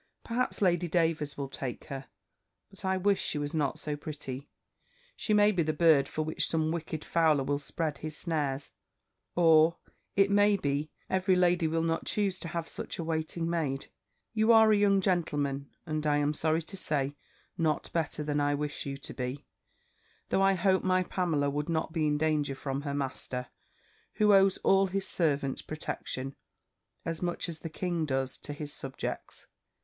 Perhaps Lady Davers will take her. But I wish she was not so pretty! She may be the bird for which some wicked fowler will spread his snares; or, it may be, every lady will not choose to have such a waiting maid. You are a young gentleman, and I am sorry to say, not better than I wish you to be Though I hope my Pamela would not be in danger from her master, who owes all his servants protection, as much as the king does to his subjects.